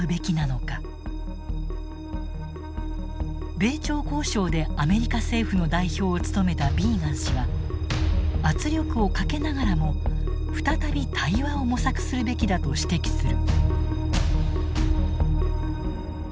米朝交渉でアメリカ政府の代表を務めたビーガン氏は圧力をかけながらも再び対話を模索するべきだと指摘する。